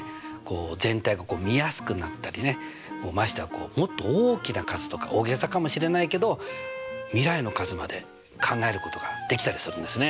全体が見やすくなったりねましてやもっと大きな数とか大げさかもしれないけど未来の数まで考えることができたりするんですね。